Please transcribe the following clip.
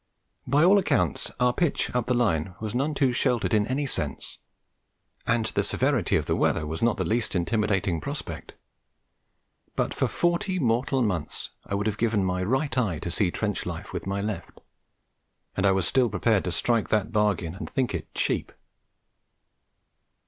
By all accounts our pitch up the Line was none too sheltered in any sense, and the severity of the weather was not the least intimidating prospect. But for forty mortal months I would have given my right eye to see trench life with my left; and I was still prepared to strike that bargain and think it cheap.